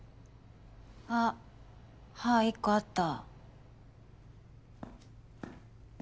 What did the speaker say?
あっ歯１個あった。